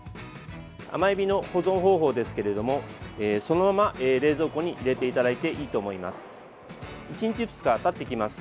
甘えびの保存方法ですけれどもそのまま冷蔵庫に入れていただいていいと思います。